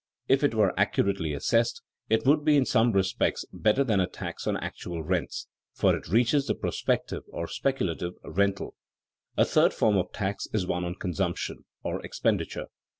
If it were accurately assessed, it would be in some respects better than a tax on actual rents, for it reaches the prospective, or speculative, rental. A third form of tax is one on consumption, or expenditure.